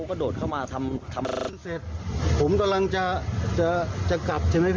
ผมจะลองเลยครับแบบ